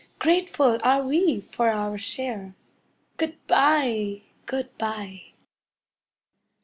Grateful are we for our share Good bye! Good bye!